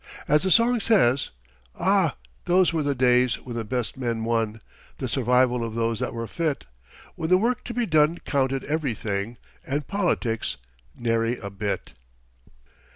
As the song says, "Ah, those were the days when the best men won, The survival of those that were fit When the work to be done counted everything, And politics nary a bit."